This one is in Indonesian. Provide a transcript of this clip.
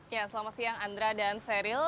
ya selamat siang andra dan seril